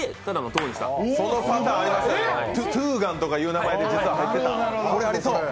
トゥーガンとかいう名前で実は入っていたと。